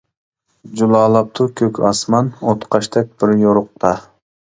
جۇلالاپتۇ كۆك ئاسمان، ئوتقاشتەك بىر يورۇقتا.